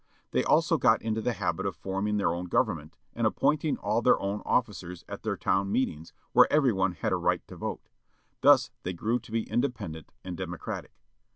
They also got into the habit of forming their own government, and appointing all their own officers at their town meetings, where everyone had a right to vote. Thus they grew to be independent, and democratic.